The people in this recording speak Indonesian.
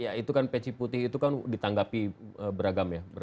ya itu kan peci putih itu kan ditanggapi beragam ya